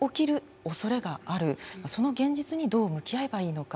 その現実にどう向き合えばいいのか。